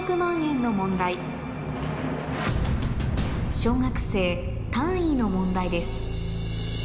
小学生の問題です